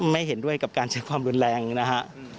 ไม่เห็นด้วยกับการเชื่อความรุนแรงนะครับ